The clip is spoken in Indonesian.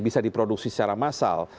bisa diproduksi secara massal